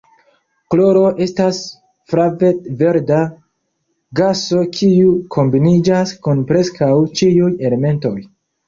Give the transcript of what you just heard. Kloro estas flavet-verda gaso kiu kombiniĝas kun preskaŭ ĉiuj elementoj.